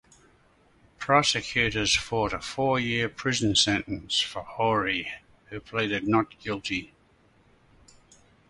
Prosecutors sought a four-year prison sentence for Horie, who pleaded not guilty.